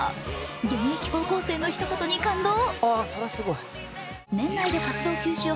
現役高校生のひと言に感動。